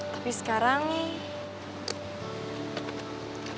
tapi sekarang nih